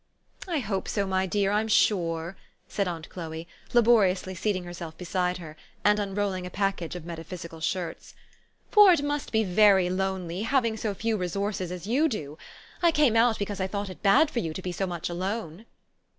" I hope so, my dear, I'm sure," said aunt Chloe, laboriously seating herself beside her, and unrolling a package of metaphysical shirts; "for it must be 174 THE STORY OF AVIS. very lonely, having so few resources as you do. I came out because I thought it bad for you to be so much alone."